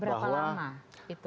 berapa lama itu